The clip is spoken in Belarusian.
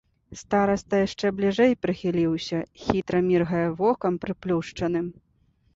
Стараста яшчэ бліжэй прыхіліўся, хітра міргае вокам прыплюшчаным.